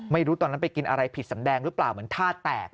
ไม่รู้ตอนนั้นไปกินอะไรผิดสำแดงหรือเปล่าเหมือนท่าแตก